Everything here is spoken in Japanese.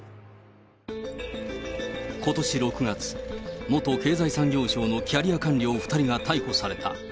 ことし６月、元経済産業省のキャリア官僚２人が逮捕された。